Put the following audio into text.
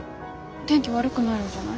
天気悪くなるんじゃない？